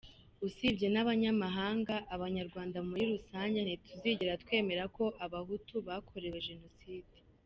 Usibye n’abanyamahanga, abanyarwanda muri rusange ntituzigera twemera ko abahutu bakorewe genocide.